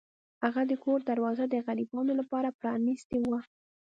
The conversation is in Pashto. هغه د کور دروازه د غریبانو لپاره پرانیستې وه.